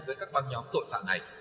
với các băng nhóm tội phạm này